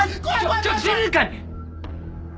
ちょっと静かに！